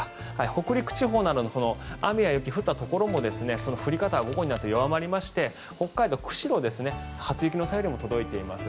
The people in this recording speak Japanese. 北陸地方など雨や雪降ったところも降り方は午後になるにつれて弱まりまして北海道、釧路初雪の便りも届いています。